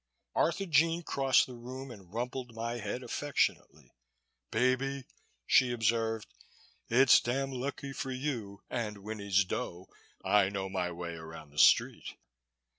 Arthurjean crossed the room and rumpled my head affectionately. "Baby," she observed, "it's damn lucky for you and Winnie's dough I know my way around the Street.